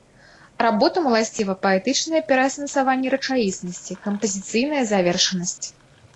Работам уласціва паэтычнае пераасэнсаванне рэчаіснасці, кампазіцыйная завершанасць.